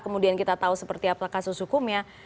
kemudian kita tahu seperti apa kasus hukumnya